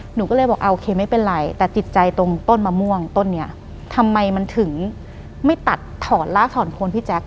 หนูก็เลยบอกโอเคไม่เป็นไรแต่ติดใจตรงต้นมะม่วงต้นนี้ทำไมมันถึงไม่ตัดถอนลากถอนโคนพี่แจ๊ค